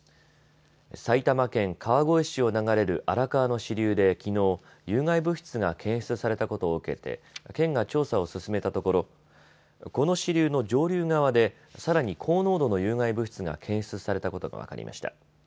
埼玉県川越市を流れる荒川の支流できのう有害物質が検出されたことを受けて県が調査を進めたところこの支流の上流側でさらに高濃度の有害物質が検出されたことが分かりました。